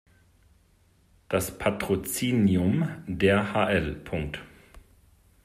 Das Patrozinium der hl.